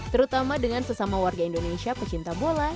terutama dengan sesama warga indonesia pecinta bola